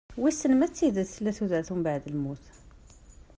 Wissen ma d tidet tella tudert umbaɛd lmut?